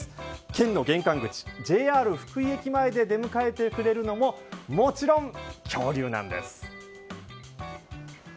県の玄関口ＪＲ福井駅前で出迎えてくれるのももちろん、恐竜なんです。